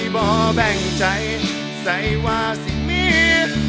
ขอบคุณมาก